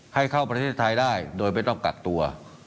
ให้เข้าประเทศไทยได้โดยไม่ต้องกักตัว